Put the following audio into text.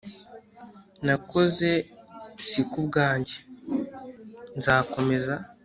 nakoze si ku bwanjye, nzakomeza